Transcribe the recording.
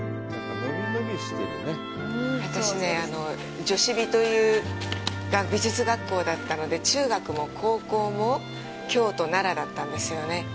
私ね、女子美という美術学校だったので、中学も、高校も、京都、奈良だったんですよね。